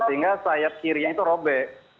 sehingga sayap kiri itu robe